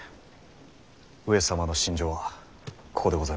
上様の寝所はここでございましょう。